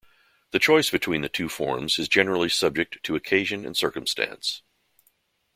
The choice between the two forms is generally subject to occasion and circumstance.